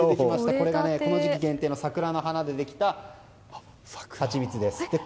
これがこの時期限定の桜の花でできたハチミツです。